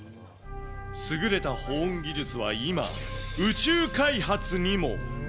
優れた保温技術は今、宇宙開発にも。